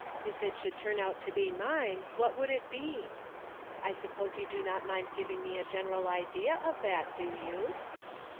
If it should turn out to be mine, what would it be? I suppose you do not mind giving me a general idea of that, do you